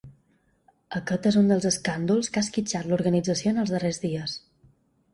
Aquest és un dels escàndols que ha esquitxat l’organització en els darrers dies.